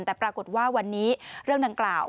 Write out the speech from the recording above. แต่ปรากฏว่าวันนี้เรื่องดังกล่าว